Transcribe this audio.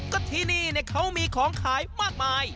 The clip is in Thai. ก็ที่นี่เขามีของขายมากมาย